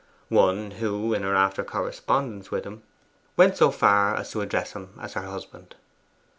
'One who, in her after correspondence with him, went so far as to address him as her husband.